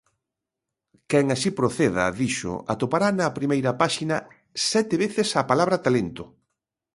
Quen así proceda, dixo, atopará na primeira páxina "sete veces a palabra talento".